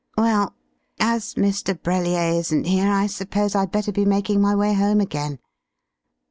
Well, as Mr. Brellier isn't here I suppose I'd better be making my way home again.